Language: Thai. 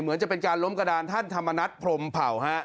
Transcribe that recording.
จะเป็นการล้มกระดานท่านธรรมนัฐพรมเผ่าฮะ